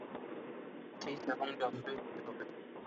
This এবং জফরির কী হবে?